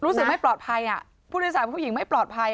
รู้สึกไม่ปลอดภัยผู้โดยสารผู้หญิงไม่ปลอดภัย